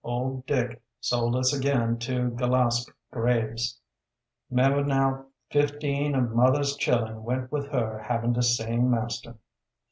Old Dick sold us again to Gelaspe Graves. 'Member now fifteen of mother's chillun went with her having de same master.